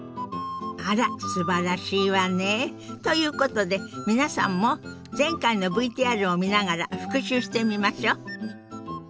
あらすばらしいわね。ということで皆さんも前回のＶＴＲを見ながら復習してみましょ。